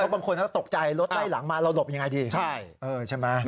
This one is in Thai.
ถ้าบางคนตกใจรถใต้หลังมาเราหลบยังไงดี